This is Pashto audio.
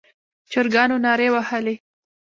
چرګانو نارې وهلې.